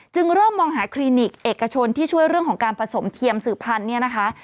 เริ่มมองหาคลินิกเอกชนที่ช่วยเรื่องของการผสมเทียมสื่อพันธุ์เนี่ยนะคะ